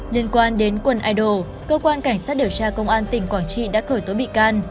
liên quan đến quần idol cơ quan cảnh sát điều tra công an tỉnh quảng trị đã khởi tố bị can